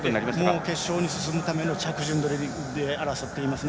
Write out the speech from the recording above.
もう決勝に進むための着順で争っていますね。